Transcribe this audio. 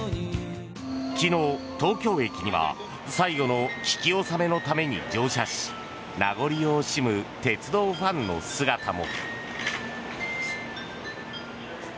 昨日、東京駅には最後の聞き納めのために乗車し名残惜しむ鉄道ファンの姿も。